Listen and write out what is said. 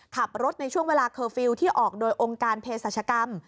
ขับรถในช่วงเวลาเคอร์ฟิลล์ที่ออกโดยองค์การเพศรัชกรรม